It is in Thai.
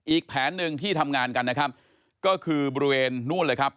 อีกแผนหนึ่งที่ทำงานกันนะครับก็คือบริเวณนู่นเลยครับ